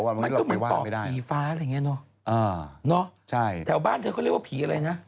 มันก็เหมือนปอบผีฟ้าอะไรอย่างนี้เนอะใช่แถวบ้านเธอก็เรียกว่าผีอะไรนะ